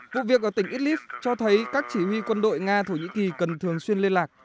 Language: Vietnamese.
vụ việc ở tỉnh idlib cho thấy các chỉ huy quân đội nga thổ nhĩ kỳ cần thường xuyên liên lạc